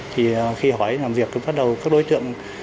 thì khi hỏi làm việc thì bắt đầu các đối tượng